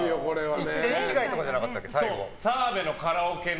１点違いとかじゃなかったっけ。